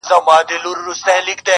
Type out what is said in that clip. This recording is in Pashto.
ورته وگورې په مــــــيـــنـــه.